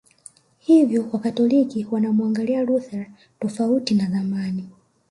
Hivyo Wakatoliki wanamuangalia Luther tofauti na zamani